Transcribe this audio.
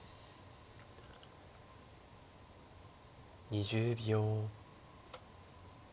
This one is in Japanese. ２０秒。